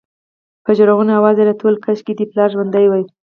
په ژړغوني اواز یې راته ویل کاشکې دې پلار ژوندی وای.